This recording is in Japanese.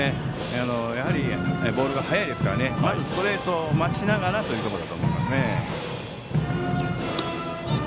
やはりボールが速いのでまずストレートを待ちながらということだと思います。